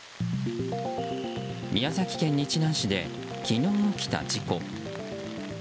宮崎県日南市で昨日、起きた事故。